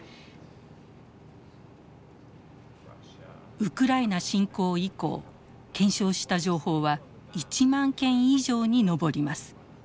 ウクライナ侵攻以降検証した情報は１万件以上に上ります。